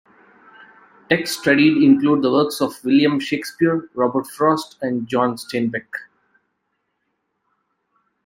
Texts studied include the works of William Shakespeare, Robert Frost and John Steinbeck.